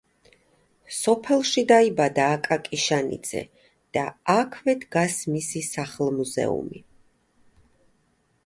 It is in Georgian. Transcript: სოფელში დაიბადა აკაკი შანიძე და აქვე დგას მისი სახლ-მუზეუმი.